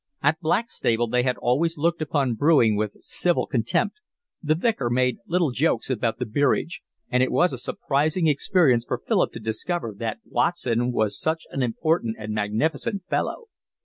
At Blackstable they had always looked upon brewing with civil contempt, the Vicar made little jokes about the beerage, and it was a surprising experience for Philip to discover that Watson was such an important and magnificent fellow.